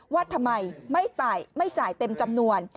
ว่าทำไมไม่จ่ายเต็มจำนวน